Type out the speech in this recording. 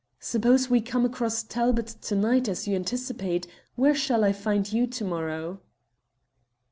"Suppose we come across Talbot to night, as you anticipate, where shall I find you to morrow?"